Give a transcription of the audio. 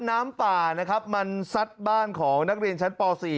น้ำป่านะครับมันซัดบ้านของนักเรียนชั้นป๔